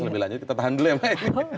diulas lebih lanjut kita tahan dulu ya mbak ini